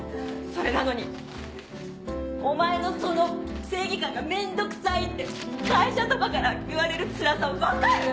それなのに「お前のその正義感が面倒くさい」って会社とかから言われるつらさ分かる？